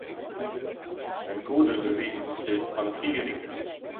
Men koe der by wize fan sizzen fan 'e flier ite.